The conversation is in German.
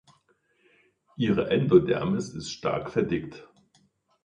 Ihre Endodermis ist stark verdickt.